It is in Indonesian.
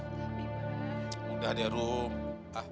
mudah ya ruh